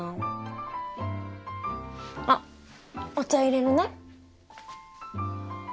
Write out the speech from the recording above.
あっお茶入れるね。